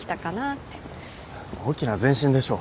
大きな前進でしょ。